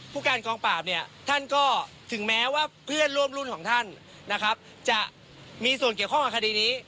ผู้การกองปราบเนี่ยท่านก็ถึงแม้ว่าเพื่อนร่วมรุ่นของท่านนะครับจะมีส่วนเกี่ยวข้องกับคดีนี้